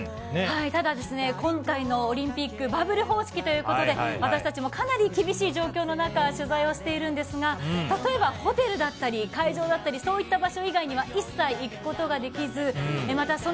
ただ、今回のオリンピックバブル方式ということで私たちもかなり厳しい状況の中取材をしているんですが、例えばホテルだったり会場だったりそういった場所以外には一切行くことができずまた